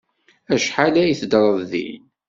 Acḥal ay teddreḍ din?